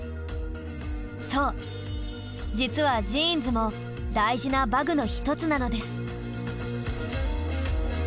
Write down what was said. そう実はジーンズも大事な馬具のひとつなのです。